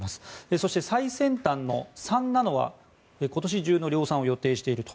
そして、最先端の３ナノは今年中の量産を予定していると。